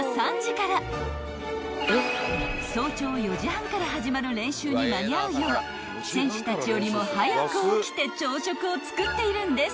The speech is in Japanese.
［早朝４時半から始まる練習に間に合うよう選手たちよりも早く起きて朝食を作っているんです］